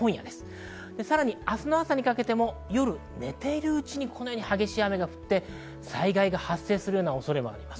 明日の朝にかけても夜、寝ているうちに激しい雨が降って、災害が発生するような恐れもあります。